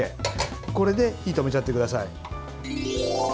これで火を止めちゃってください。